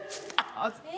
あっ。